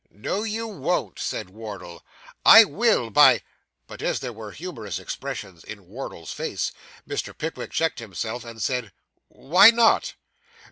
'No, you won't,' said Wardle. 'I will, by ' But as there was a humorous expression in Wardle's face, Mr. Pickwick checked himself, and said, 'Why not?